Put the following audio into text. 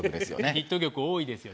ヒット曲多いですよ